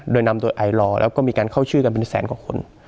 โดยนำโดยไอลอร์แล้วก็มีการเข้าชื่อกันเป็นแสนกว่าคน